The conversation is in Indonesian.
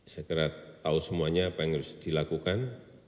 saya kira tahu semuanya apa yang harus dilakukan